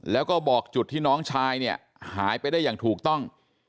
แล้วก็บอกจุดที่น้องชายเนี่ยหายไปได้อย่างถูกต้อง